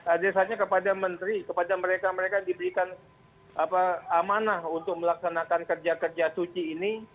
addesanya kepada menteri kepada mereka mereka yang diberikan amanah untuk melaksanakan kerja kerja suci ini